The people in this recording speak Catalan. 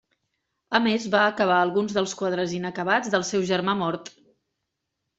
A més va acabar alguns dels quadres inacabats del seu germà mort.